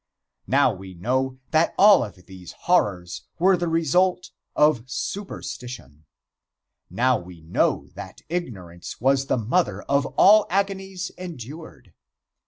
Now we know that all of these horrors were the result of superstition. Now we know that ignorance was the mother of all the agonies endured.